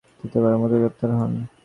তিনি তৃতীয়বারের মত গ্রেফতার হন।